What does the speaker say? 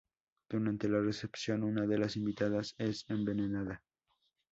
Durante la recepción, una de las invitadas es envenenada.